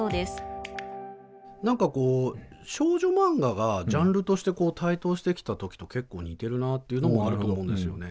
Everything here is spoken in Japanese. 何かこう少女マンガがジャンルとして台頭してきた時と結構似てるなっていうのもあると思うんですよね。